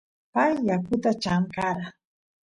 pay yakuta chamkara